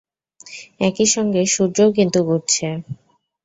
একই সঙ্গে সূর্যও কিন্তু ঘুরছে।